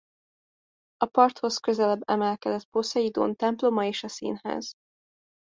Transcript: A parthoz közelebb emelkedett Poszeidón temploma és a színház.